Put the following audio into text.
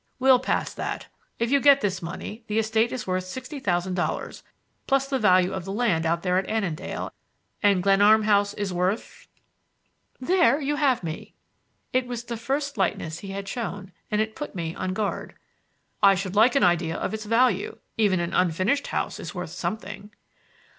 "We'll pass that. If you get this money, the estate is worth sixty thousand dollars, plus the value of the land out there at Annandale, and Glenarm House is worth—" "There you have me!" It was the first lightness he had shown, and it put me on guard. "I should like an idea of its value. Even an unfinished house is worth something."